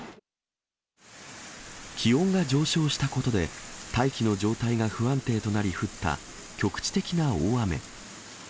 気温が上昇したことで、大気の状態が不安定となり降った局地的な大雨。